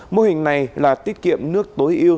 mô hình này là tiết kiệm nước tối yêu